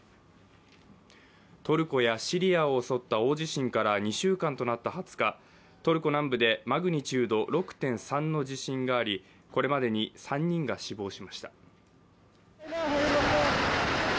トルコやシリアを襲った大地震から２週間となった２０日トルコ南部でマグニチュード６．３の地震がありこれまでに３人が死亡しました。